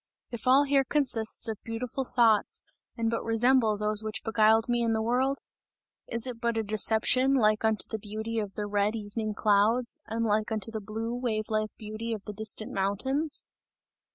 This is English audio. If all here consists of beautiful thoughts and but resemble those which beguiled me in the world? Is it but a deception like unto the beauty of the red evening clouds and like unto the blue wave like beauty of the distant mountains!